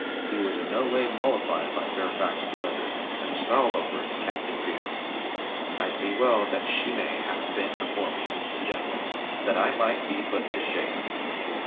He was in no way mollified by Fairfax's letter .and snarled over it at Captain Vere. "I see well that Shimei hath been before me with the general that I might be put to shame.